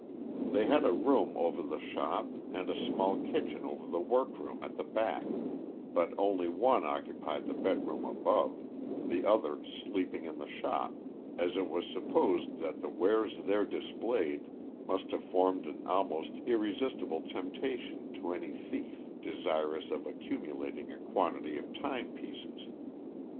They had a room over the shop, and a small kitchen over the workroom at the back; but only one occupied the bedroom above, the other sleeping in the shop, as it was supposed that the wares there displayed must have formed an almost irresistible temptation to any thief desirous of accumulating a quantity of time pieces.